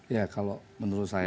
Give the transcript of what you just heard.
ya kalau menurut saya